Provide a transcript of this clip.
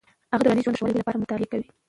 هغې د کورني ژوند د ښه والي لپاره مطالعه کوي.